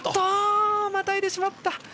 またいでしまった。